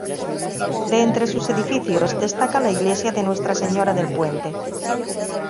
De entre sus edificios, destaca la iglesia de Nuestra Señora del Puente.